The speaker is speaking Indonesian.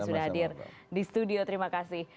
sudah hadir di studio sama sama terima kasih